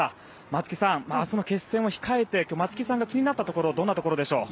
松木さん、明日の決戦を控えて松木さんが気になったところどんなところでしょう？